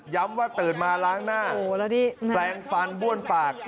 ว่าตื่นมาล้างหน้าแปลงฟันบ้วนปาก